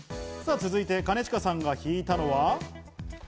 続いて兼近さんが引いたのは。